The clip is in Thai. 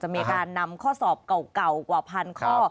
มีการนำข้อสอบเก่ากว่าพันข้อ